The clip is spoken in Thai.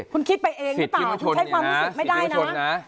คุณคิดไปเองหรือเปล่าคุณใช้ความรู้สึกไม่ได้นะ